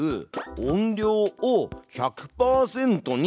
「音量を１００％にする」。